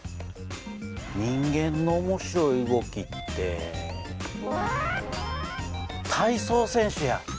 人間の面白い動きって体操選手や。